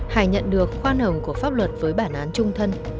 hải nhận được khoan hồng của pháp luật với bản án trung thân